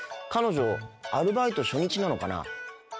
彼女アルバイト初日なのかな。